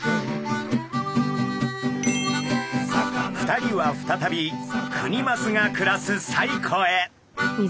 ２人は再びクニマスが暮らす西湖へ。